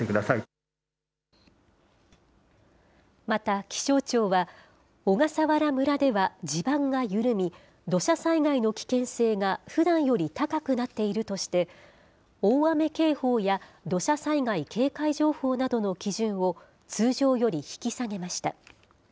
また気象庁は、小笠原村では地盤が緩み、土砂災害の危険性がふだんより高くなっているとして、大雨警報や土砂災害警戒情報などの基準を、通常より引き下げました。